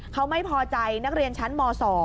เขาไม่พอใจนักเรียนชั้นม๒